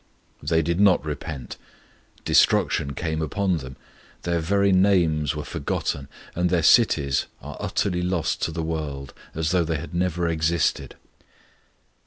They did not repent; destruction came upon them; their very names were forgotten, and their cities as utterly lost to the world as though they had never existed.